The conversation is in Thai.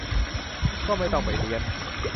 ก็ไม่ต้องไปเรียน